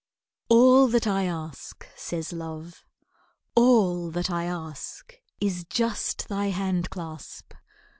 "All that I ask," says Love, "all that I ask, Is just thy hand clasp.